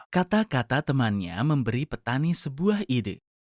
kata kata temannya memberi petani sebuah ide